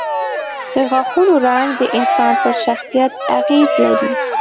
د غاښونو رنګ د انسان پر شخصیت اغېز لري.